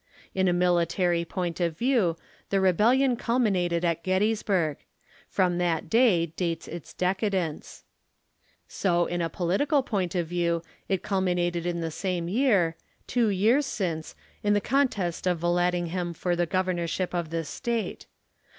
In a military point of view, the rebellion culminated at Gettysburg ; from that day dates its decadence. 8 So iu a political point of view, it culminated in the same year, two years since, in the contest of Yallandigham for the Governorship of this State.